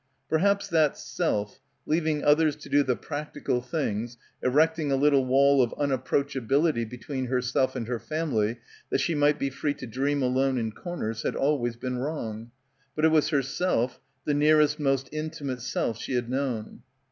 Perhaps that self, leaving others to do the practical things, erecting a little wall of unapproachability between her self and her family that she might be free to dream alone in corners had always been wrong. But it was herself, the nearest most intimate self 9he had known.